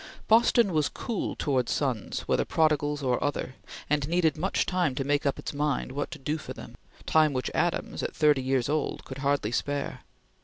Boston was cool towards sons, whether prodigals or other, and needed much time to make up its mind what to do for them time which Adams, at thirty years old, could hardly spare.